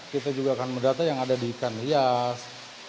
kita juga akan mendata yang ada di ikan hias